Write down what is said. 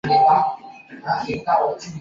在场上的位置是前锋。